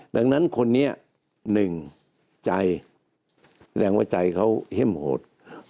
ดังนั้นคนนี้๑ใจแรงวจัยเขาเห็มโหด